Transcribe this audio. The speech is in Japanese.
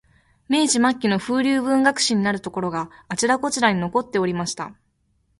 明治末期の風流文学史になるところが、あちらこちらに残っておりました